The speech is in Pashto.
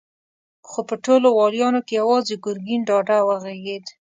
خو په ټولو واليانو کې يواځې ګرګين ډاډه وغږېد.